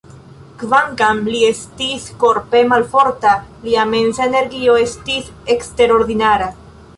Kvankam li estis korpe malforta, lia mensa energio estis eksterordinara.